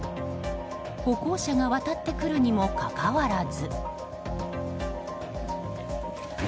歩行者が渡ってくるにもかかわらず。